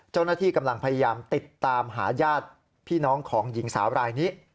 เจ้าหน้าที่กำลังพยายามติดตามหาญาติพี่น้องของหญิงสาวรายนี้